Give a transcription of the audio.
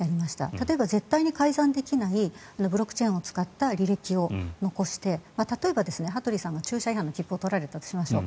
例えば絶対に改ざんできないようにブロックチェーンを使った履歴を残して例えば、羽鳥さんが駐車違反の切符を取られたとしましょう。